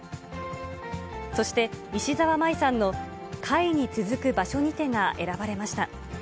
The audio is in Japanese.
そして、石沢麻依さんの貝に続く場所にてが選ばれました。